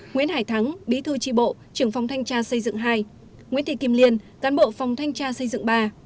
nguyễn hải thắng bí thư tri bộ trưởng phòng thanh tra xây dựng hai nguyễn thị kim liên cán bộ phòng thanh tra xây dựng ba